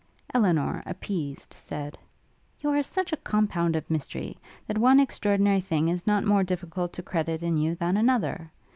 Elinor, appeased, said, 'You are such a compound of mystery, that one extraordinary thing is not more difficult to credit in you, than another.